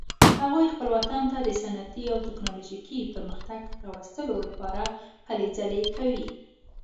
هغوی خپل وطن ته د صنعتي او تکنالوژیکي پرمختګ راوستلو لپاره هلې ځلې کوي